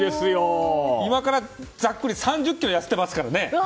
今から、ザックリ３０ｋｇ痩せてますから。